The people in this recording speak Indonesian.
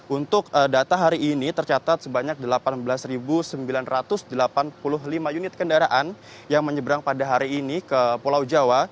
untuk data hari ini tercatat sebanyak delapan belas sembilan ratus delapan puluh lima unit kendaraan yang menyeberang pada hari ini ke pulau jawa